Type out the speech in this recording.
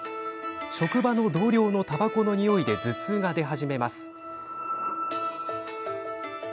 職場の同僚の、たばこのにおいで頭痛が出始めます。